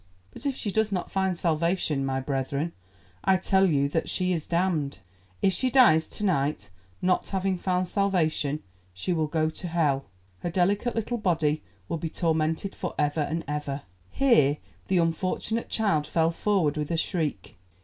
but if she does not find salvation, my brethren, I tell you that she is damned. If she dies to night, not having found salvation, she will go to Hell. Her delicate little body will be tormented for ever and ever——" Here the unfortunate child fell forward with a shriek.